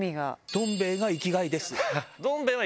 どん兵衛が生きがいです。